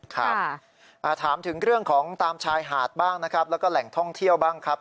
ครับถามถึงเรื่องของตามชายหาดบ้างนะครับแล้วก็แหล่งท่องเที่ยวบ้างครับ